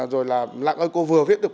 rồi là lạng ơi cô vừa viết được